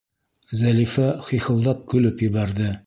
Зәлифә хихылдап көлөп ебәрҙе: